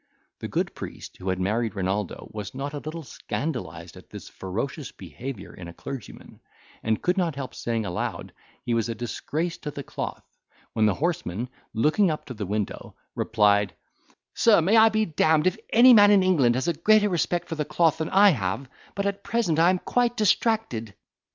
The good priest who had married Renaldo was not a little scandalised at this ferocious behaviour in a clergyman, and could not help saying aloud, he was a disgrace to the cloth when the horseman looking up to the window, replied, "Sir, may I be d—n'd, if any man in England has a greater respect for the cloth than I have; but at present I am quite distracted."